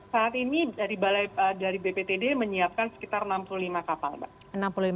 saat ini dari bptd menyiapkan sekitar enam puluh lima kapal mbak